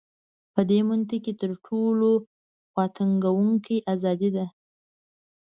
په دې منطق کې تر ټولو خواتنګوونکې ازادي ده.